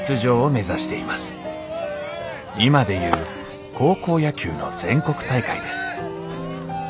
今で言う高校野球の全国大会です。